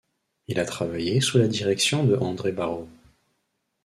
Il a travaillé sous la direction de André Bareau.